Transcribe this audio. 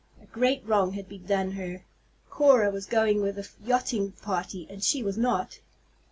A great wrong had been done her. Cora was going with a yachting party, and she was not.